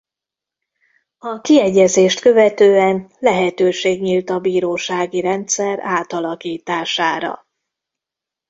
A kiegyezést követően lehetőség nyílt a bírósági rendszer átalakítására.